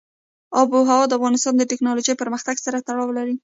آب وهوا د افغانستان د تکنالوژۍ پرمختګ سره تړاو لري.